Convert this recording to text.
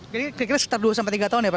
jadi kira kira sekitar dua tiga tahun ya pak